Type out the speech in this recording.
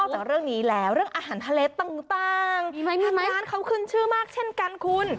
นอกจากเรื่องนี้แล้วเรื่องอาหารทะเลต่างต่างมีไหมมีไหมทางร้านเขาขึ้นชื่อมากเช่นกันคุณ